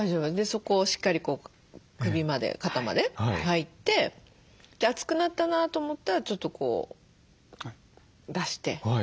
そこをしっかりこう首まで肩まで入って熱くなったなと思ったらちょっとこう出して。